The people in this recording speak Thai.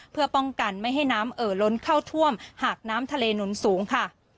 เพื่อป้องกันไม่ให้น้ำเอ่อล้นเข้าท่วมหากน้ำทะเลหนุนสูงค่ะ